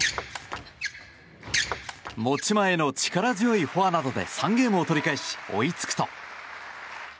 持ち前の力強いフォアなどで３ゲームを取り返し追いつくと。